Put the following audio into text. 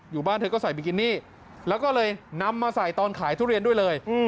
อยู่บ้านเธอก็ใส่บิกินี่แล้วก็เลยนำมาใส่ตอนขายทุเรียนด้วยเลย